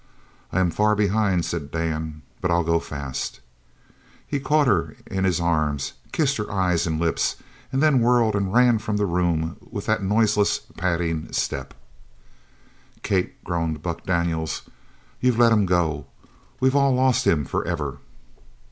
"I am far behind," said Dan, "but I'll go fast." He caught her in his arms, kissed her eyes and lips, and then whirled and ran from the room with that noiseless, padding step. "Kate!" groaned Buck Daniels, "you've let him go! We've all lost him for ever!"